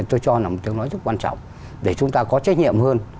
tôi cho là một tiếng nói rất quan trọng để chúng ta có trách nhiệm hơn